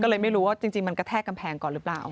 ก็เลยไม่รู้ว่าจริงมันกระแทกกำแพงก่อนหรือเปล่า